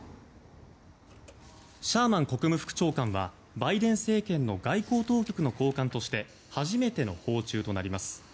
シャーマン国務副長官はバイデン政権の外交当局の高官として初めての訪中となります。